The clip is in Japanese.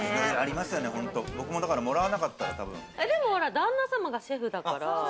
旦那様がシェフだから。